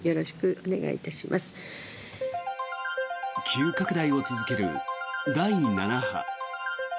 急拡大を続ける第７波。